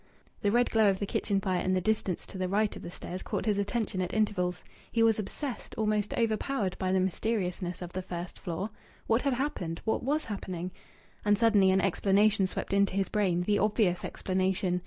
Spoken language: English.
The red glow of the kitchen fire, in the distance to the right of the stairs, caught his attention at intervals. He was obsessed, almost overpowered, by the mysteriousness of the first floor. What had happened? What was happening? And suddenly an explanation swept into his brain the obvious explanation.